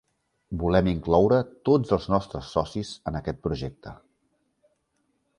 Volem incloure tots els nostres socis en aquest projecte.